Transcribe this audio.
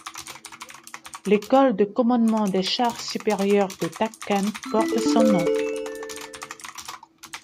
L'école de commandement des chars supérieurs de Tachkent porte son nom.